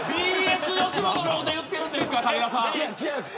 ＢＳよしもとのこと言ってるんですか。